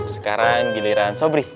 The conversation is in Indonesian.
sekarang giliran sobri